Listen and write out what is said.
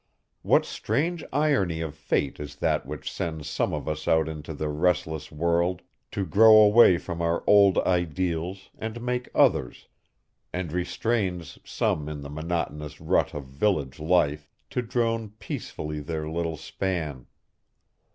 What strange irony of fate is that which sends some of us out into the restless world to grow away from our old ideals and make others, and restrains some in the monotonous rut of village life, to drone peacefully their little span!